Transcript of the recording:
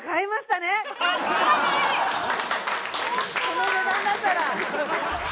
この値段だったら。